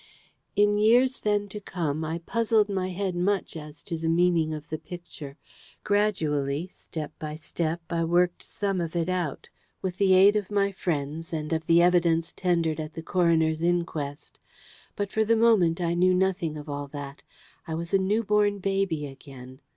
In years then to come, I puzzled my head much as to the meaning of the Picture. Gradually, step by step, I worked some of it out, with the aid of my friends, and of the evidence tendered at the coroner's inquest. But for the moment I knew nothing of all that. I was a newborn baby again.